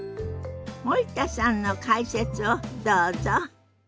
森田さんの解説をどうぞ。